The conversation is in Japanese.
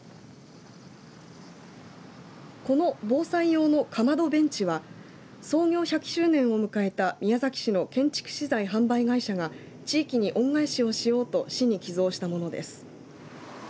この防災用のかまどベンチは創業１００周年を迎えた宮崎市の建築資材販売会社が地域に恩返しをしようと市に寄贈したものです。